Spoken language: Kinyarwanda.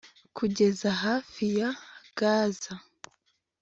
kugeza hafi ya gaza